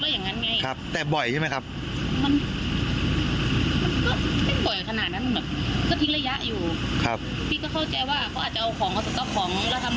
พี่ก็เข้าใจว่าเค้าอาจจะเอาของเอาสักก็เอาของแล้วทำร่วงอะไรอย่างเนี่ย